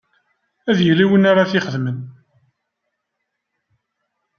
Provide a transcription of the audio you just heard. Ad yili win ara t-ixedmen.